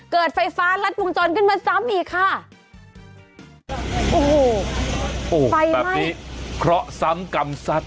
เกิดไฟฟ้ารัดวงจรขึ้นมาซ้ำอีกค่ะโอ้โหไฟแบบนี้เคราะห์ซ้ำกรรมซัด